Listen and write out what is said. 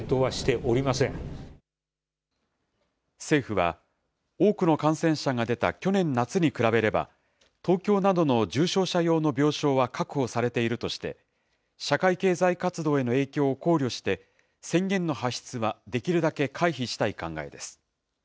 政府は、多くの感染者が出た去年夏に比べれば、東京などの重症者用の病床は確保されているとして、社会経済活動への影響を考慮して、宣言の発出はできるだけ回避したい考えです。